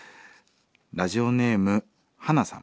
ラジオネームハナさん。